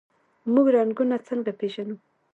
موږ رنګونه څنګه پیژنو؟